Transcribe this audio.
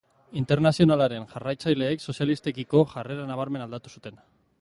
Internazionalaren jarraitzaileek sozialistekiko jarrera nabarmen aldatu zuten.